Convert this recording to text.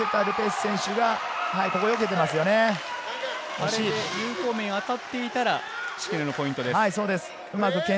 あれで有効面に当たっていたら、敷根選手のポイントです。